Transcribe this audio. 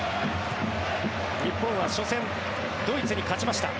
日本は初戦ドイツに勝ちました。